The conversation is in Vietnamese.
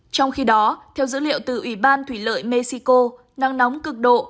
trong khi đó theo dữ liệu từ ủy ban thủy lợi mexico nắng nóng cực độ